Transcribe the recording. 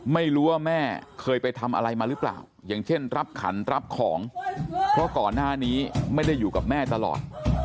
ไม่รู้ว่าแม่เคยไปทำอะไรมาหรือเปล่าอย่างเช่นรับขันรับของเพราะก่อนหน้านี้ไม่ได้อยู่กับแม่ตลอด